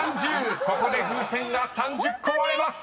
ここで風船が３０個割れます］